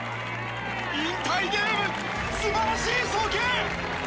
引退ゲーム、すばらしい送球。